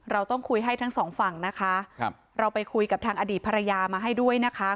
เราต้องคุยให้ทั้งสองฝั่งนะคะครับเราไปคุยกับทางอดีตภรรยามาให้ด้วยนะคะ